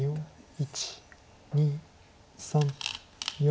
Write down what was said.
１２３４。